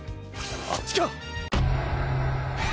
あっちか！